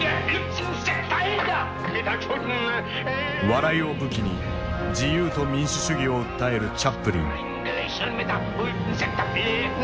笑いを武器に自由と民主主義を訴えるチャップリン。